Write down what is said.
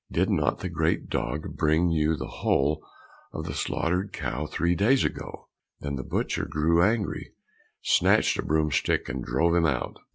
Did not the great dog bring you the whole of the slaughtered cow three days ago?" Then the butcher grew angry, snatched a broomstick and drove him out.